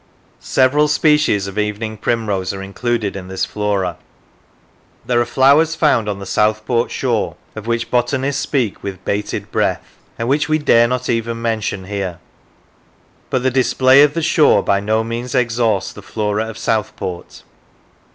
Several species of evening primrose are included in this flora. There are flowers found on the Southport shore of which botanists speak with bated breath, and which we dare not even mention here. But the display of the shore by no means exhausts the flora of Southport.